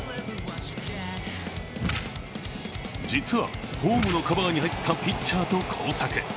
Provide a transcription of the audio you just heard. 実は、ホームのカバーに入ったピッチャーと交錯。